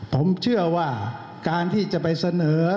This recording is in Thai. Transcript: ผมเชื่อว่าการที่จะไปเสนอ